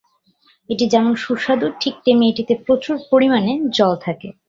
এটি যেমন সুস্বাদু ঠিক তেমনি এটিতে প্রচুর পরিমাণে জল থাকে।